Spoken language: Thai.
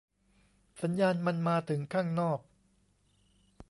สัญญาณมันมาถึงข้างนอก